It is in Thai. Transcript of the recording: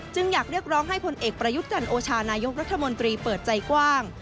อยากเรียกร้องให้ผลเอกประยุทธ์จันโอชานายกรัฐมนตรีเปิดใจกว้าง